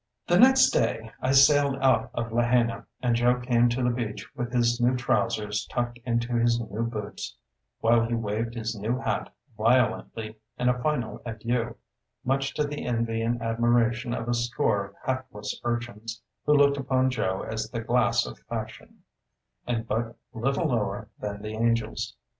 The next day I sailed out of Lahaina, and Joe came to the beach with his new trousers tucked into his new boots, while he waved his new hat violently in a final adieu, much to the envy and admiration of a score of hatless urchins, who looked upon Joe as the glass of fashion, and but little lower than the angels.